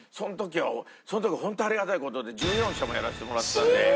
その時はホントありがたい事で１４社もやらせてもらってたんで。